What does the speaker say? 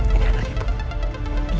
ini kan lagi bu